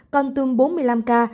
còn tương bốn mươi năm ca